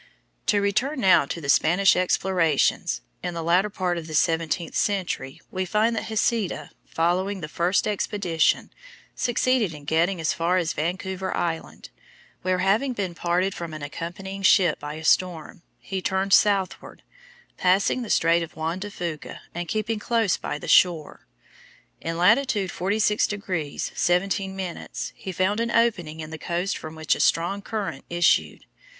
To return now to the Spanish explorations, in the latter part of the seventeenth century we find that Heceta, following the first expedition, succeeded in getting as far as Vancouver Island, where, having been parted from an accompanying ship by a storm, he turned southward, passing the Strait of Juan de Fuca and keeping close by the shore. In latitude 46° 17' he found an opening in the coast from which a strong current issued.